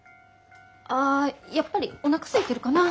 あやっぱりおなかすいてるかな。